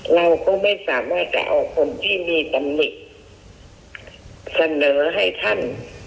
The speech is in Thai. เราก็ไม่สามารถจะเอาคนที่มีตำหนิเสนอให้ท่าน